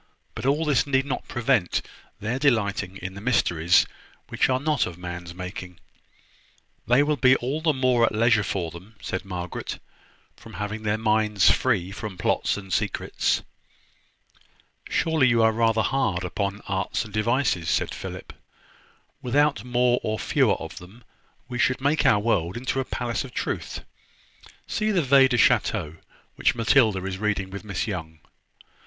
But all this need not prevent their delighting in the mysteries which are not of man's making." "They will be all the more at leisure for them," said Margaret, "from having their minds free from plots and secrets." "Surely you are rather hard upon arts and devices," said Philip. "Without more or fewer of them, we should make our world into a Palace of Truth, see the Veillees du Chateau, which Matilda is reading with Miss Young.